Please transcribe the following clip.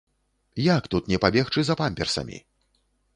Як тут не пабегчы за памперсамі!